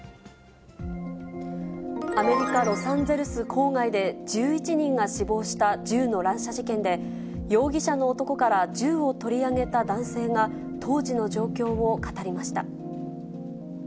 アメリカ・ロサンゼルス郊外で１１人が死亡した銃の乱射事件で容疑者の男から銃を取り上げた男性が、当時の状況を語りました。